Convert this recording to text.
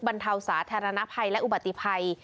บรรเทาสาธารณภัยและอุบัติภัย